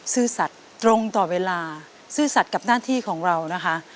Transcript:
ซื่อสัตว์ตรงต่อเวลาซื่อสัตว์กับหน้าที่ของเรานะคะ